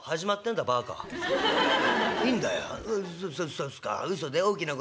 そうすか？